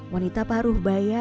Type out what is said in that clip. wanita paruh baya